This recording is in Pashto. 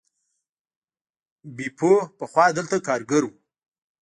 بیپو پخوا دلته کارګر و.